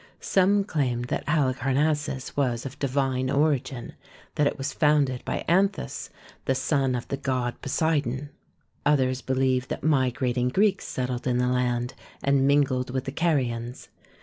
Some claim that Halicarnassus was of divine origin; that it was founded by Anthes, the son of the god Poseidon. Others believe that migrating Greeks settled in the land, and mingled with the Carians.